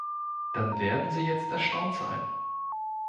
Dann werden Sie jetzt erstaunt sein!